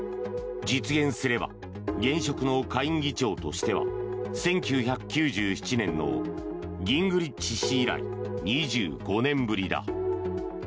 実現すれば現職の下院議長としては１９９７年のギングリッチ氏以来２５年ぶりだ。